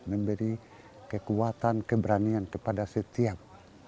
memberi kekuatan keberanian kepada setiap